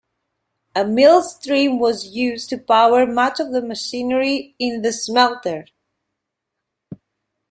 A mill stream was used to power much of the machinery in the smelter.